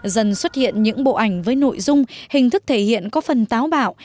dần xuất hiện những bộ ảnh với nội dung hình thức thể hiện có phần táo bạo